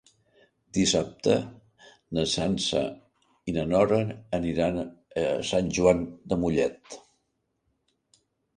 Dissabte na Sança i na Nora aniran a Sant Joan de Mollet.